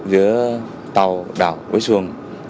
giữa tàu đảo với xuồng